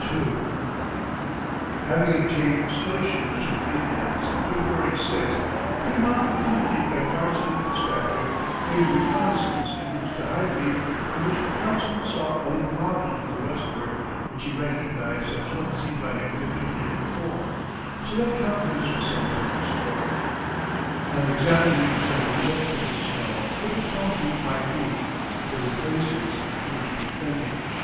] Having obtained snow shoes from the Indians, on February 6th, Frémont, accompanied by Carson and Fitzpatrick, made a reconnoissance and reached a high peak, from which Carson saw a little mountain to the westward which he recognized as one seen by him fifteen years before, so that confidence was somewhat restored. On examining the general depth of the snow it was found to be five feet, but in places it proved to be twenty.